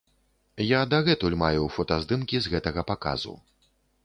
Я дагэтуль маю фотаздымкі з гэтага паказу.